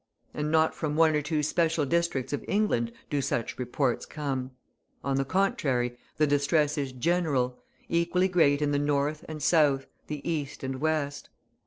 And not from one or two special districts of England do such reports come. On the contrary, the distress is general, equally great in the North and South, the East and West.